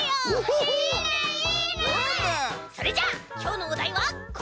それじゃあきょうのおだいはこれ！